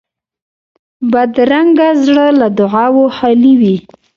بدرنګه زړه له دعاوو خالي وي